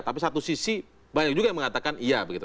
tapi satu sisi banyak juga yang mengatakan iya begitu